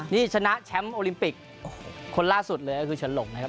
นี่ชนะแชมป์โอลิมปิกคนล่าสุดเลยก็คือฉลงนะครับ